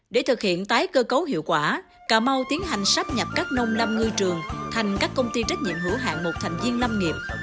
để thực hiện tái cơ cấu hiệu quả cà mau tiến hành sắp nhập các nông lâm ngư trường thành các công ty trách nhiệm hữu hạng một thành viên lâm nghiệp